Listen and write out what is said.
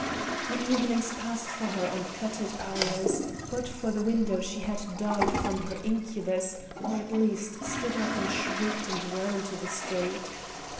The evenings passed for her on fettered hours; but for the window she had died from her incubus, or at least stood up and shrieked and ran into the street.